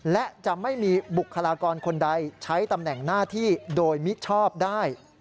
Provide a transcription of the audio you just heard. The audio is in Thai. และจะไม่มีบุคลากรคนใดใช้ตำแหน่งหน้าที่โดยมิชอบได้